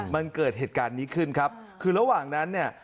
มันเกิดเหตุการณ์นี้ขึ้นครับคือระหว่างนั้นเนี่ย